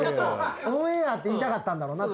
オンエアって言いたかったんだろうな。